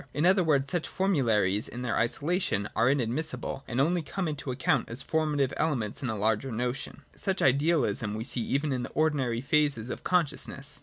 In other words, such formularies in their isolation are inadmissible, and only come into account as formative elements in a larger notion. Such idealism we see even in the ordinary phases of consciousness.